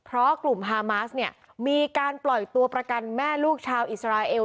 เพราะกลุ่มฮามาสเนี่ยมีการปล่อยตัวประกันแม่ลูกชาวอิสราเอล